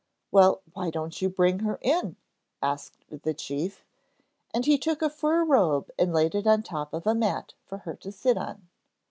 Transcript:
'Well, why don't you bring her in?' asked the chief, and he took a fur robe and laid it on top of a mat for her to sit on.